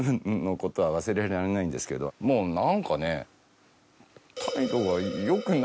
もう何かね。